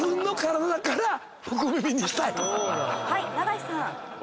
はい長井さん。